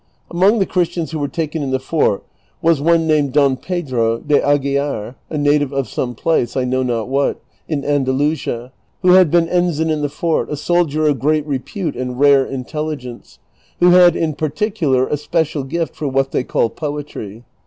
Among the Ciiristians who were taken in the fort was one named Don Pedro de Aguilar, a native of some place, T know not what, in Andalusia, who had been ensign in the fort, a soldier of great repute and rare intelligence, who had in pai'ticular a special gift for what they call poetry.